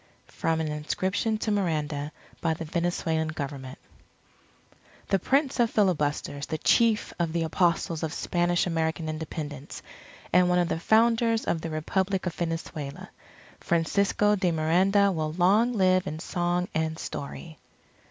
_ From an inscription to Miranda, by the Venezuelan Government _The Prince of Filibusters, the Chief of the Apostles of Spanish American Independence, and one of the founders of the Republic of Venezuela, Francisco de Miranda will long live in song and story.